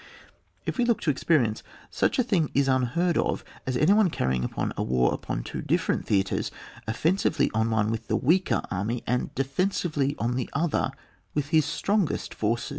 — If we look to ex perience, such a thing is unheard of as any one carrying on a war upon two dif ferent theatres — offensively on one with the weaker army, and defensively on the other with his strongest force.